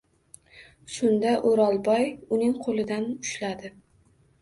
Shunda, O’rolboy uning qo‘lidan ushladi.